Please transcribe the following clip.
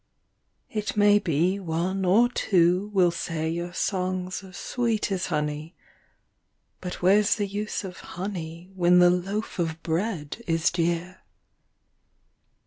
It may be one or two will say your songs are sweet as honey, But where's the use of honey, when the loaf of bread is dear?